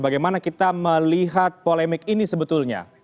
bagaimana kita melihat polemik ini sebetulnya